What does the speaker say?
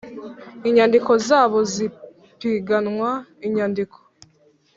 Inyandiko zabo z ipiganwa inyandiko